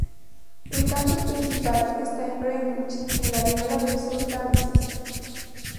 El campus principal está en Greenwich, en la ribera sur del Támesis.